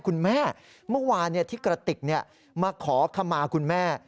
คุณแม่เมื่อวานที่กระติกมาขอคำมาคุณแม่